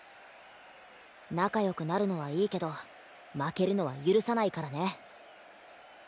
仲良くなるのはいいけど負けるのは許さないからね。